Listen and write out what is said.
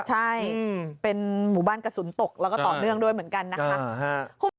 ใช่เป็นหมู่บ้านกระสุนตกแล้วก็ต่อเนื่องด้วยเหมือนกันนะคะ